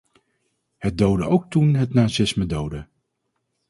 Het doodde ook toen het nazisme doodde.